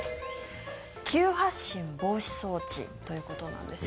急発進防止装置ということなんですね。